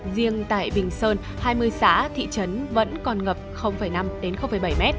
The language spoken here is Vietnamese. riêng tại bình sơn hai mươi xã thị trấn vẫn còn ngập năm đến bảy m